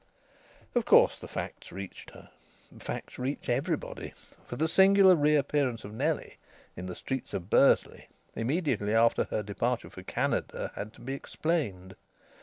Of course the facts reached her. The facts reached everybody; for the singular reappearance of Nellie in the streets of Bursley immediately after her departure for Canada had to be explained.